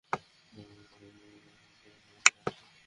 দেখ,,এই সবই তোর মতিভ্রম।